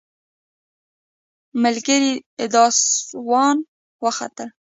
ملګري داووسان وختل.